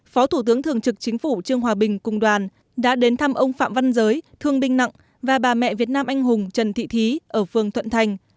phó thủ tướng thường trực chính phủ trương hòa bình cùng đoàn đã đến thăm ông phạm văn giới thương binh nặng và bà mẹ việt nam anh hùng trần thị thí ở phương thuận thành